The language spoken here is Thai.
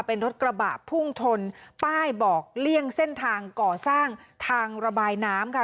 เป็นรถกระบะพุ่งชนป้ายบอกเลี่ยงเส้นทางก่อสร้างทางระบายน้ำค่ะ